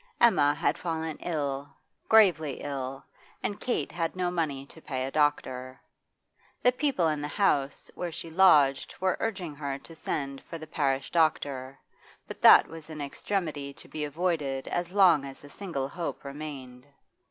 Emma had fallen ill, gravely ill, and Kate had no money to pay a doctor. The people in the house, where she lodged were urging her to send for the parish doctor, but that was an extremity to be avoided as long as a single hope remained.